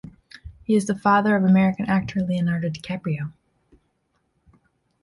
He is the father of American actor Leonardo DiCaprio.